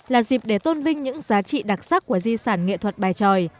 là dịp để tôn vinh những giá trị đặc sắc của di sản nghệ thuật bài tròi